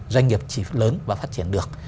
doanh nghiệp chỉ lớn và phát triển được